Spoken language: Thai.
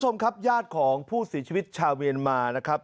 คุณผู้ชมครับญาติของผู้เสียชีวิตชาวเมียนมานะครับ